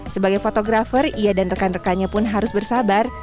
sebagai fotografer ia dan rekan rekannya pun harus bersabar